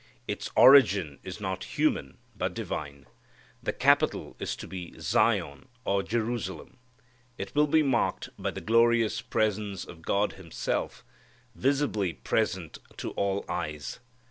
Its origin is not human, but divine. The capital is to be Zion or Jerusalem. It will be marked by the glorious presence of God Himself visibly present to all eyes.